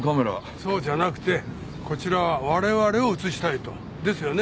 そうじゃなくてこちらは我々を写したいと。ですよね？